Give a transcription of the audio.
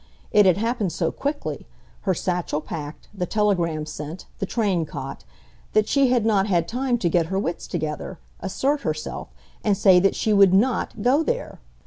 It had happened so quickly—her satchel packed, the telegram sent, the train caught—that she had not had time to get her wits together, assert herself, and say that she would NOT go there!